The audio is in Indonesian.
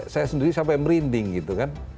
saya sendiri sampai merinding gitu kan